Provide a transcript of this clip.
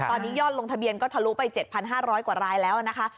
ตอนนี้ยอดลงทะเบียนก็ทะลุไป๗๕๐๐กว่ารายแล้วนะคะ